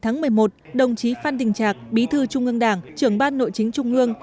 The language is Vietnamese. ngày một mươi một đồng chí phan đình trạc bí thư trung ương đảng trưởng ban nội chính trung ương